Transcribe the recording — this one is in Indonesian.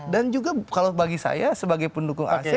dan juga kalau bagi saya sebagai pendukung asyik